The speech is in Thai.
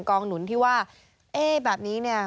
กองหนุนที่ว่าแบบนี้เนี่ย